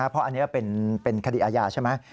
เพราะอันนี้เป็นคดีอาญาใช่ไหม